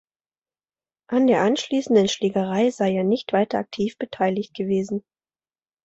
An der anschließenden Schlägerei sei er nicht weiter aktiv beteiligt gewesen.